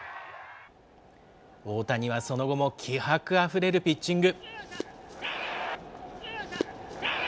大谷はその後も気迫あふれるピッチング。